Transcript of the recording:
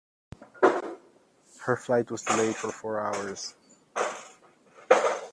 Her flight was delayed for four hours.